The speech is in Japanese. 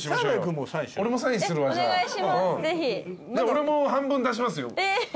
俺も半分出しますよ。